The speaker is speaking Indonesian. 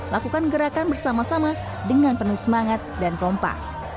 lakukan gerakan bersama sama dengan penuh semangat dan pompa